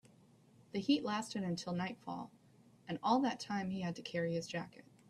The heat lasted until nightfall, and all that time he had to carry his jacket.